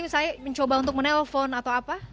saya mencoba untuk menelpon atau apa